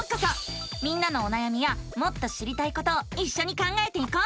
みんなのおなやみやもっと知りたいことをいっしょに考えていこう！